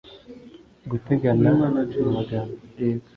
gutegana mu magambo